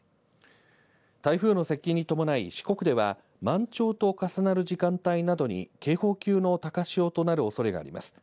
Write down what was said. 台風の接近に伴い、四国では満潮と重なる時間帯などに警報級の高潮となるおそれがあります。